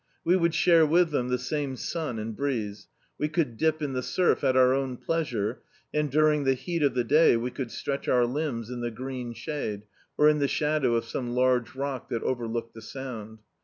We would share with them the same sun and breeze; we could dip in the surf at our own pleasure, and during the heat of the day we could stretch our limbs in the green shade, or in the shadow of some large rock that overlooked the Sound.